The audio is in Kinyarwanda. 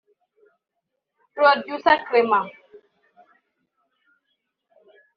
Producer Clement